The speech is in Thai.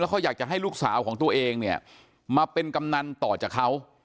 เขาอยากจะให้ลูกสาวของตัวเองเนี่ยมาเป็นกำนันต่อจากเขา